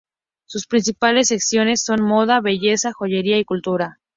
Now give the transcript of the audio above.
Sus principales secciones son Moda, Belleza, Joyería y Cultura.